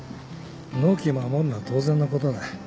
納期守るのは当然のことだ。